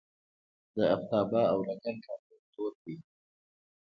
د افتابه او لګن کارول دود دی.